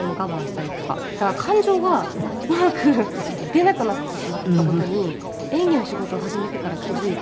だから感情がうまく出なくなってしまった事に演技の仕事を始めてから気付いて。